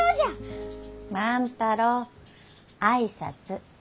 万太郎挨拶。